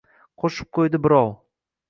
— Qo‘shib qo‘ydi birov,-